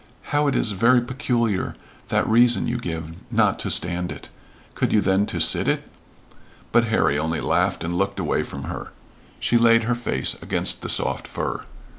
"How it is very peculiar that reason you give. Not to stand it! Could you then to sit it?" But Harry only laughed and looked away from her. She laid her face against the soft fur.